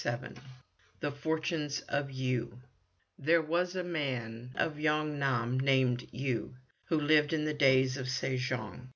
XXVII THE FORTUNES OF YOO There was a man of Yong nam, named Yoo, who lived in the days of Se jong.